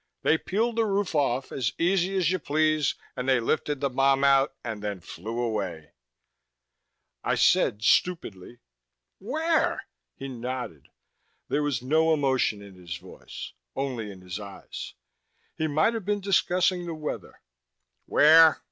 They peeled the roof off, as easy as you please, and they lifted the bomb out and then flew away." I said stupidly, "Where?" He nodded. There was no emotion in his voice, only in his eyes. He might have been discussing the weather. "Where?